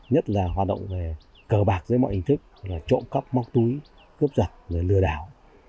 nhất là hoạt động cờ bạc với mọi hình thức trộm cắp móc túi cướp giật lừa đảo